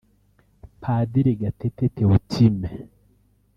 Padiri Gatete Théotime